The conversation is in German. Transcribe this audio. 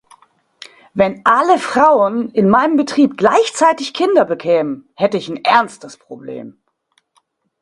Wenn alle Frauen in meinem Betrieb gleichzeitig Kinder bekämen, hätte ich ein ernstes Problem.